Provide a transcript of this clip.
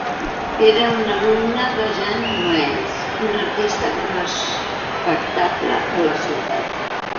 Era un alumne de Jan Maes, un artista respectable de la ciutat.